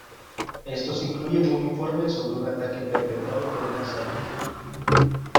Estos incluyen un informe sobre un ataque perpetrado por una secta.